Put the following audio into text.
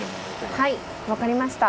はい分かりました。